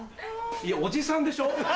いやおじさんでしょ？